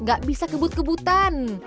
gak bisa kebut kebutan